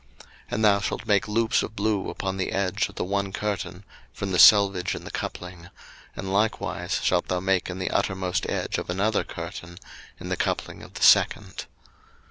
02:026:004 And thou shalt make loops of blue upon the edge of the one curtain from the selvedge in the coupling; and likewise shalt thou make in the uttermost edge of another curtain, in the coupling of the second.